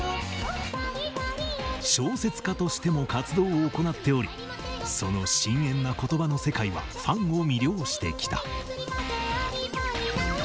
小説家としても活動を行っておりその深遠な言葉の世界はファンを魅了してきた。